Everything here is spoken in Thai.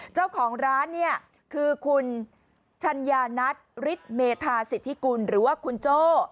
เจ้าของร้านเนี่ยคือคุณชัญญานัทฤทธิเมธาสิทธิกุลหรือว่าคุณโจ้